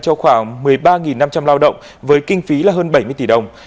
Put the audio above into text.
cho khoảng một mươi ba năm trăm linh lao động với kinh phí là hơn bảy mươi tỷ đồng